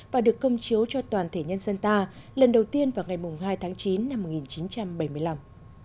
và được công chiếu cho toàn thể nhân dân ta lần đầu tiên vào ngày hai tháng chín năm một nghìn chín trăm bảy mươi năm